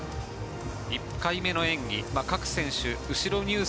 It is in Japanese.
１回目の演技、各選手後ろ入水